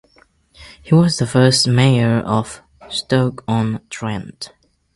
He was the first Mayor of Stoke-on-Trent.